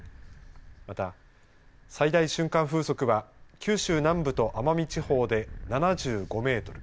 また、最大瞬間風速は九州南部と奄美地方で７５メートル